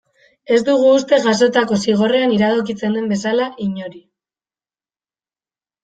Ez dugu uste, jasotako zigorrean iradokitzen den bezala, inori.